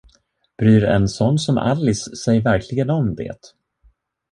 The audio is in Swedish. Bryr en sån som Alice sig verkligen om det?